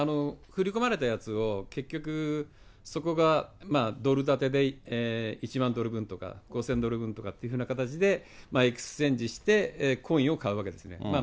振り込まれたやつを、結局そこがドル建てで１万ドル分とか、５０００ドル分とかっていうふうな形でエクスチェンジしてコインを買うわけですね。